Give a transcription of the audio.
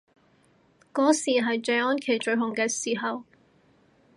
嗰時係謝安琪最紅嘅時候